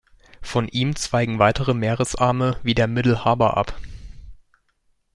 Von ihm zweigen weitere Meeresarme wie der Middle Harbour ab.